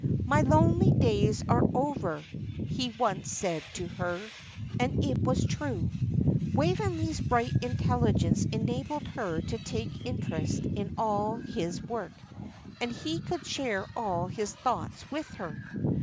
"My lonely days are over," he once said to her. And it was true. Waveney's bright intelligence enabled her to take interest in all his work, and he could share all his thoughts with her.